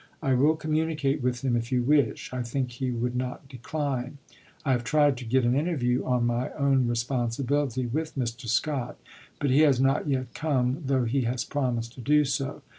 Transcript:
I will communicate with him if you wish. I think he would not decline. I have tried to get an interview on my own responsibility with Mr. Scott, but he has not yet come, though he has promised to do so.